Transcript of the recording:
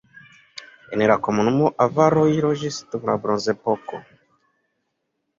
En la komunumo avaroj loĝis dum la bronzepoko.